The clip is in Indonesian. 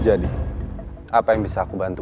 jadi apa yang bisa aku bantu